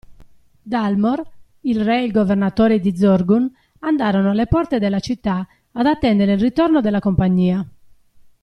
Dalmor, il Re e il Governatore di Zorqun andarono alle porte della città ad attendere il ritorno della compagnia.